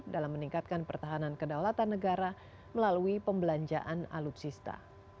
dalam meningkatkan pertahanan kedaulatan negara melalui pembelanjaan alutsista